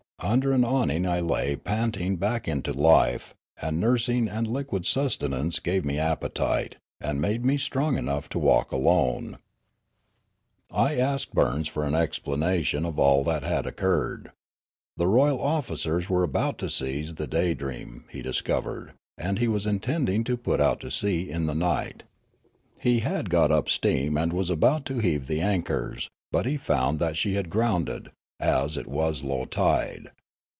Under an awning I lay panting back into life, and nursing and liquid sustenance gave me appetite, and made me strong enough to walk alone. 30 Riallaro I asked Burns for an explanation of all that had occurred. The royal officers were about to seize the Daydream, he discovered, and he was intending to put out to sea in the night. He had got up steam and was about to heave the anchors, but he found that she had grounded, as it was low tide.